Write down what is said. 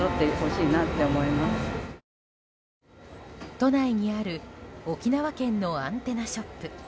都内にある沖縄県のアンテナショップ。